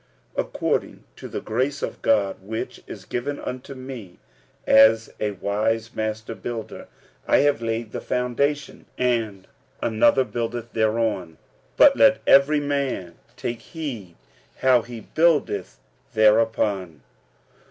46:003:010 According to the grace of God which is given unto me, as a wise masterbuilder, I have laid the foundation, and another buildeth thereon. But let every man take heed how he buildeth thereupon.